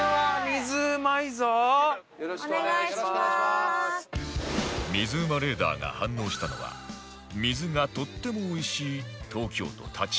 水うまレーダーが反応したのは水がとってもおいしい東京都立川市